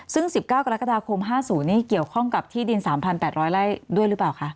ซึ่ง๑๙กรกฎาคม๕๐นี่เกี่ยวข้องกับที่ดิน๓๘๐๐ไร่ด้วยหรือเปล่าคะ